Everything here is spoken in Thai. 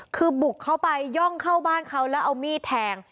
คือบุกเข้าไปย่องเข้าบ้านเขาแล้วเอามีดแทง